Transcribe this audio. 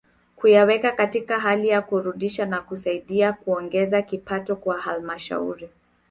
Kuyaweka katika hali ya kuridhisha na kusaidia kuongeza kipato kwa halmashauri